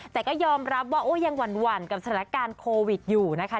แต่ก็ยอมรับว่ายังหวั่นกับสถานการณ์โควิดอยู่นะคะ